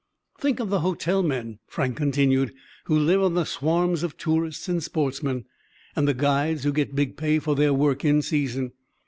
"Think of the hotel men," Frank continued, "who live on the swarms of tourists and sportsmen. And the guides who get big pay for their work in season.